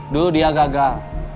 dulu dia gagal